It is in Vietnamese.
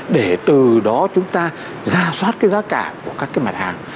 để từ đó chúng ta giả soát cái giá cả của các cái mặt hàng